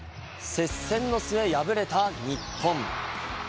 接戦の末、敗れた日本。